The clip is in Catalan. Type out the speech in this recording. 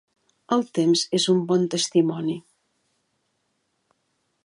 El temps és un bon testimoni.